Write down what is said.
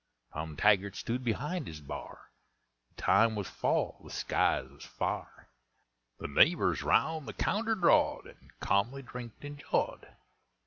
Tom Taggart stood behind his bar, The time was fall, the skies was fa'r, The neighbours round the counter drawed, And ca'mly drinked and jawed.